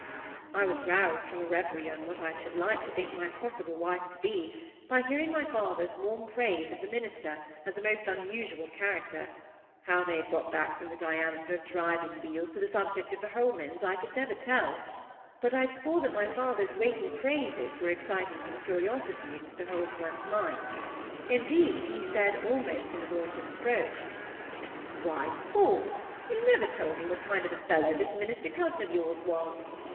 I was roused from a reverie on what I should like my possible wife to be, by hearing my father's warm praise of the minister, as a most unusual character; how they had got back from the diameter of driving wheels to the subject of the Holmans I could never tell; but I saw that my father's weighty praises were exciting some curiosity in Mr Holdsworth's mind; indeed, he said, almost in a voice of reproach,— "Why, Paul, you never told me what kind of a fellow this minister cousin of yours was!"